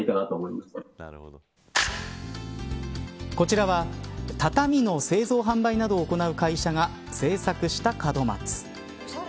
こちらは、畳の製造販売などを行う会社が制作した門松。